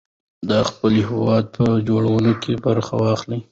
د خپل هېواد په جوړونه کې برخه واخلئ.